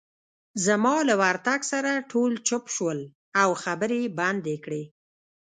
زما له ورتګ سره ټول چوپ شول، او خبرې يې بندې کړې.